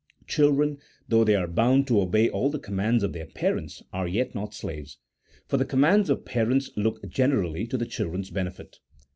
Children, though they are bound to obey all the com mands of their parents, are yet not slaves : for the com mands of parents look generally to the children's benefit.